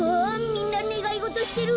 みんなねがいごとしてる！